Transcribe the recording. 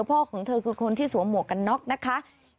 ของเธอคือคนที่สวมหมวกกันน็อกนะคะ